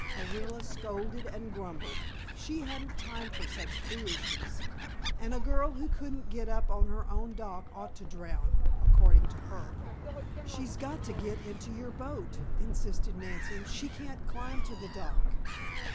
Orilla scolded and grumbled. She hadn't time for such foolishness, and a girl who couldn't get up on her own dock ought to drown according to her. "She's got to get into your boat," insisted Nancy, "she can't climb to the dock."